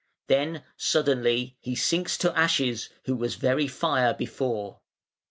Then suddenly "he sinks To ashes who was very fire before".